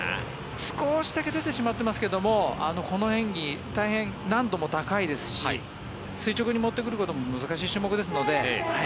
少しだけ出てしまってますけれどこの演技、大変難度も高いですし垂直に持ってくることも難しい種目ですので。